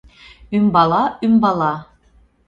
Ӱмбала-ӱмбала.